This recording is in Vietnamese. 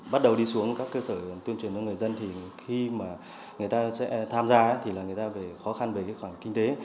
bắt đầu đi xuống các cơ sở tuyên truyền cho người dân thì khi mà người ta sẽ tham gia thì là người ta phải khó khăn về cái khoản kinh tế